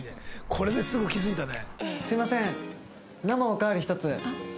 これですぐ気付いたね。